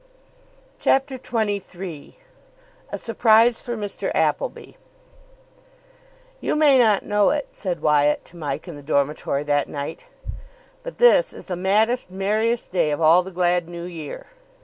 CHAPTER XXIII A SURPRISE FOR MR. APPLEBY "You may not know it," said Wyatt to Mike in the dormitory that night, "but this is the maddest, merriest day of all the glad New Year."